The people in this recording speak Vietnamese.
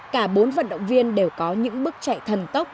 cả bốn vận động viên đều có những bước chạy thần tốc